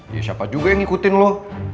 ya siapa juga yang ngikutin loh